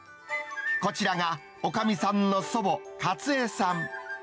こちらがおかみさんの祖母、かつゑさん。